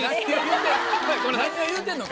何を言うてんの？